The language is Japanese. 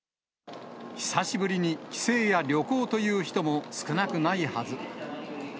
久しぶりに帰省や旅行という人も少なくないはず。